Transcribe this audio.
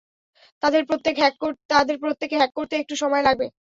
তাদের প্রত্যেকে হ্যাক করতে একটু সময় লাগবে।